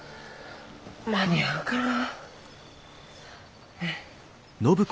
間に合うかな。